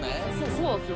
そうなんすよ。